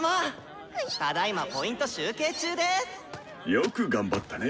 よく頑張ったね。